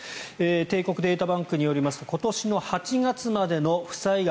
帝国データバンクによりますと今年の８月までの負債額